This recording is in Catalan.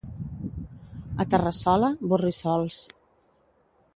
A Terrassola, borrissols.